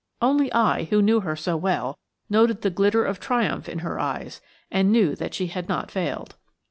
Only I, who knew her so well, noted the glitter of triumph in her eyes, and knew that she had not failed.